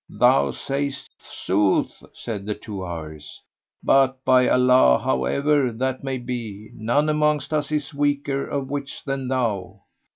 "[FN#88] "Thou sayest sooth," said the two others, "but by Allah, however that may be, none amongst us is weaker of wits than thou."